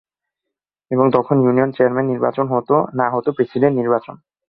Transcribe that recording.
এবং তখন union chairman নির্বাচন হত না হত প্রেসিডেন্ট নির্বাচন।